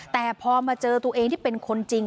แต่พอมาเจอตัวเองที่เป็นคนจริง